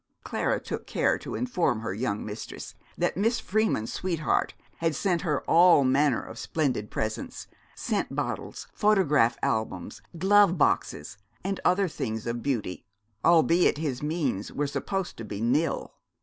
Clara took care to inform her young mistress that Miss Freeman's sweetheart had sent her all manner of splendid presents, scent bottles, photograph albums, glove boxes, and other things of beauty, albeit his means were supposed to be nil.